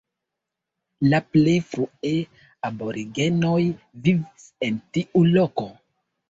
La plej frue aborigenoj vivis en tiu loko.